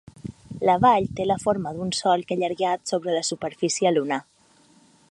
La vall té la forma d'un solc allargat sobre la superfície lunar.